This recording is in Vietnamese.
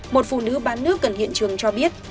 một phụ nữ bán nước gần hiện trường cho biết